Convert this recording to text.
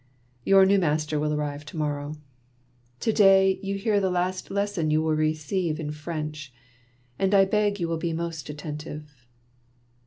Your new master will arrive to morrow. To day 4 Monday Tales, you hear the last lesson you will receive in French, and I beg you will be most attentive."